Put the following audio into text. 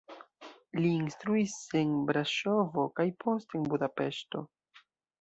Li instruis en Braŝovo kaj poste en Budapeŝto.